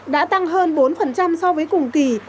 đã tăng hơn bốn so với cùng kỳ